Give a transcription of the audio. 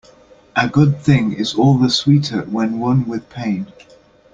A good thing is all the sweeter when won with pain.